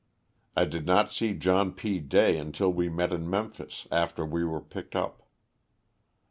I did not see John P. Day until we met in Memphis, after we were picked up.